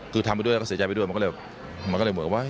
คือทำไปด้วยแล้วก็เสียใจไปด้วยมันก็เลยมันก็เลยเหมือนกับว่า